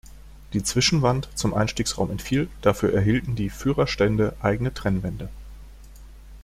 Die Zwischenwand zum Einstiegsraum entfiel, dafür erhielten die Führerstände eigene Trennwände.